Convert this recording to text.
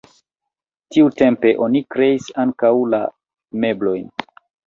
Tiutempe oni kreis ankaŭ la meblojn.